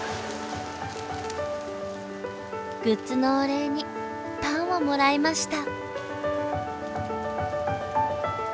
グッズのお礼にパンをもらいました。